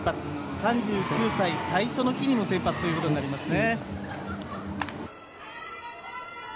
３９歳最初の日にも先発ということになりますね。